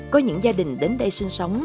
có những gia đình đến đây sinh sống